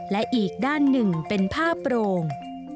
และอีกด้านหนึ่งเป็นผ้าโปร่ง